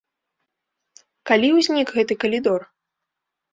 Калі ўзнік гэты калідор?